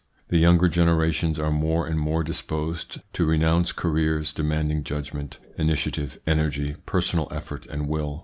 The younger generations are more and more disposed to renounce careers demanding judgment, initiative, energy, personal efforts, and will.